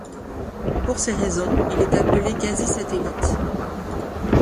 Pour ces raisons, il est appelé quasi-satellite.